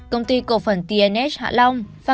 công ty cổ phần tnh hạ long